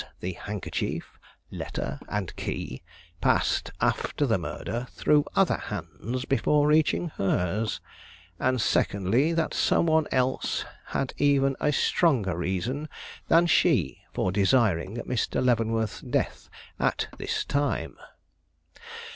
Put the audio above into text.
the handkerchief, letter, and key, passed after the murder through other hands, before reaching hers; and secondly, that some one else had even a stronger reason than she for desiring Mr. Leavenworth's death at this time.